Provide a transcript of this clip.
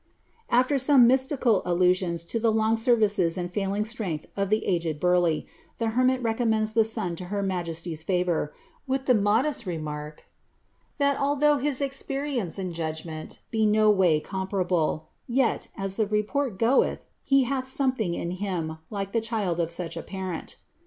After some mystical allusions to the long services and failing strength of the aged Burleigh, the hermit recommends the son to her majesty's favour, with the modest remark, ^that although his experience and jadgment be no way comparable, yet, as the report goeth, he hath something in him like the child of such a parent."